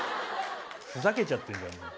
ふざけちゃってるじゃんもう。